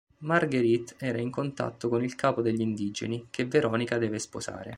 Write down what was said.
Marguerite entra in contatto con il capo degli indigeni, che Veronica deve sposare.